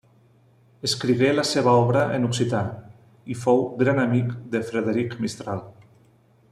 Escrigué la seva obra en occità, i fou gran amic de Frederic Mistral.